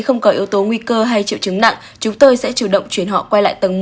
không có yếu tố nguy cơ hay triệu chứng nặng chúng tôi sẽ chủ động chuyển họ quay lại tầng một